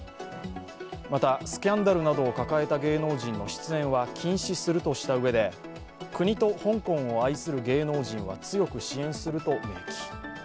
またスキャンダルなどを抱えた芸能人の出演は禁止するとしたうえで国と香港を愛する芸能人は強く支援すると明記。